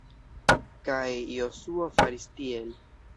Kaj Josuo faris tiel.